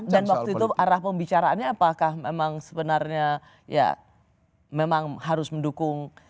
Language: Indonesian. dan waktu itu arah pembicaraannya apakah memang sebenarnya ya memang harus mendukung